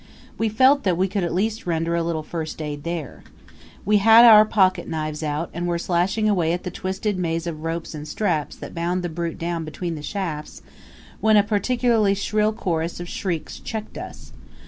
We felt that we could at least render a little first aid there. We had our pocket knives out and were slashing away at the twisted maze of ropes and straps that bound the brute down between the shafts, when a particularly shrill chorus of shrieks checked us.